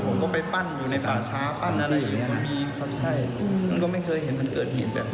ผมก็ไปปั้นอยู่ในป่าช้าปั้นอะไรอย่างเงี้มันมีครับใช่มันก็ไม่เคยเห็นมันเกิดเหตุแบบ